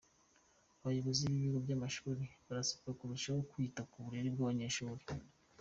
Abayobozi b’ibigo by’amashuri barasabwa kurushaho kwita ku burere bw’abanyeshuri